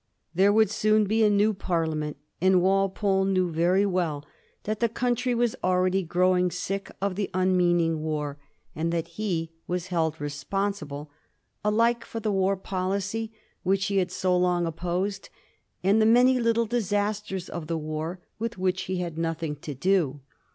There would soon be a new Parliament, and Walpole knew very well that the country was already growing sick of the unmeaning war, and that he was held 186 A BISTORT OF THE FOUR GEORGES. ch.zzxiii. responsible alike for the war policy which he had so long opposed, and the many little disasters of the war with which he had nothing to do.